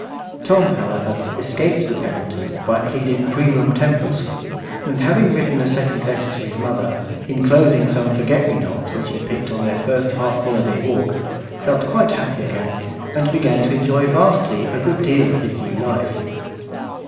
Tom, however, escaped the penalty by pleading primum tempus; and having written a second letter to his mother, inclosing some forget me nots, which he picked on their first half holiday walk, felt quite happy again, and began to enjoy vastly a good deal of his new life.